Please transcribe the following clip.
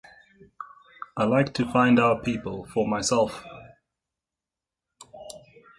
I like to find out people for myself.